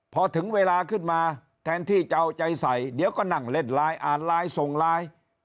พอถึงเวลาขึ้นมาแทนที่จะเอาใจใส่เดี๋ยวก็นั่งเล่นไลน์อ่านไลน์ส่งไลน์